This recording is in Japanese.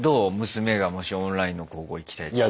娘がもしオンラインの高校行きたいって。